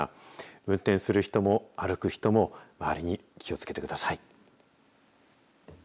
運転する人も、歩く人も周りに気をつけてください。